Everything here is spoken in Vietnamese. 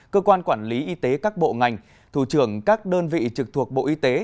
cơ quan quản lý y tế các bộ ngành thủ trưởng các đơn vị trực thuộc bộ y tế